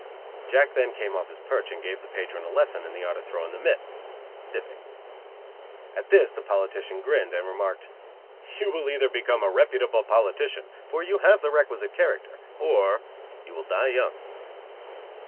Jack then came off his perch and gave his patron a lesson in the art of throwing the mit (dipping). At this the politician grinned, and remarked: "You will either become a reputable politician, for you have the requisite character, or you will die young."